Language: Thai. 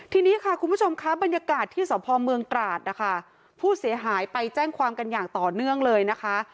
ทีนี้ค่ะคุณผู้ชมค่ะบรรยากาศที่สพเมืองตราดนะคะผู้เสียหายไปแจ้งความกันอย่างต่อเนื่องเลยนะคะ